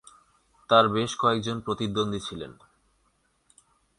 তার বেশ কয়েকজন প্রতিদ্বন্দ্বী ছিলেন।